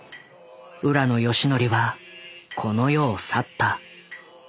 浦野順文はこの世を去った。